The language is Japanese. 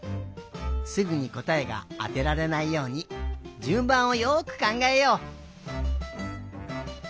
すぐにこたえがあてられないようにじゅんばんをよくかんがえよう。